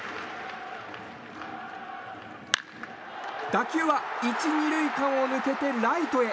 打球は１、２塁間を抜けてライトへ。